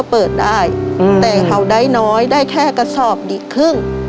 เปิดได้แต่เขาได้น้อยได้แค่กระสอบดีครึ่ง